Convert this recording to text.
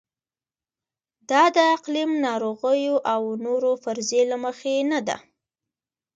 دا د اقلیم، ناروغیو او نورو فرضیې له مخې نه ده.